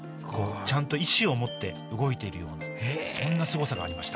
ちゃんと意志を持って動いているようなそんなすごさがありました。